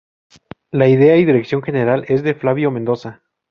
La idea y dirección general, es de Flavio Mendoza.